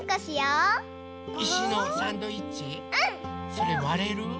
それわれる？